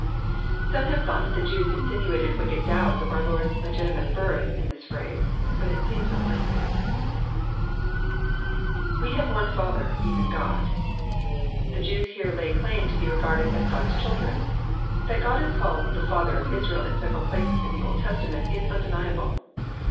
Some have thought that the Jews insinuated wicked doubts of our Lord's legitimate birth in this phrase. But it seems unlikely. [We have one Father^ even God.] The Jews here lay claim to be regarded as God's children. That God is called "the Father "of Israel in several, places in the Old Testament, is undeniable.